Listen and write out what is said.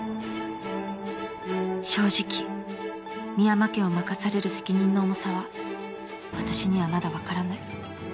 ［正直深山家を任される責任の重さは私にはまだ分からない］